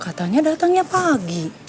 katanya datangnya pagi